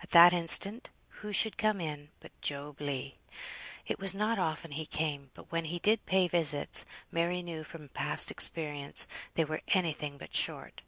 At that instant, who should come in but Job Legh. It was not often he came, but when he did pay visits, Mary knew from past experience they were any thing but short.